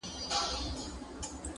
لېونتوب ته په خندا یې هر سړی وو،